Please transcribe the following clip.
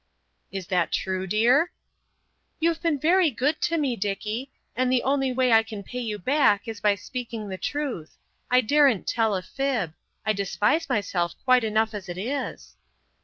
"Is that true, dear?" "You've been very good to me, Dickie; and the only way I can pay you back is by speaking the truth. I daren't tell a fib. I despise myself quite enough as it is."